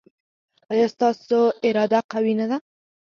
ایا ستاسو اراده قوي نه ده؟